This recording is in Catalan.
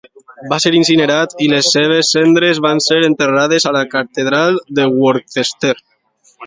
Va ser incinerat i les seves cendres van ser enterrades a la catedral de Worcester.